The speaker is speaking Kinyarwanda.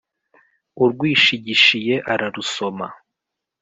Urwishigishiye ararusoma.